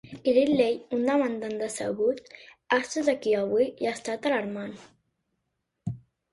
Gridley, un demandant decebut, ha estat aquí avui i ha estat alarmant.